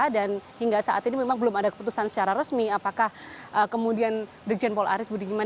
dan hingga saat ini memang belum ada keputusan secara resmi apakah kemudian brigjen pol aris buniman